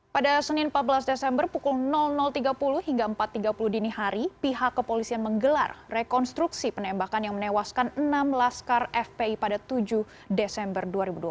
pada senin empat belas desember pukul tiga puluh hingga empat tiga puluh dini hari pihak kepolisian menggelar rekonstruksi penembakan yang menewaskan enam laskar fpi pada tujuh desember dua ribu dua puluh